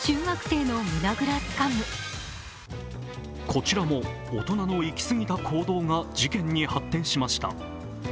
こちらも大人の行きすぎた行動が事件に発展しました。